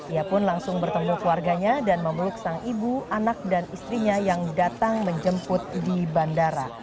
ia pun langsung bertemu keluarganya dan memeluk sang ibu anak dan istrinya yang datang menjemput di bandara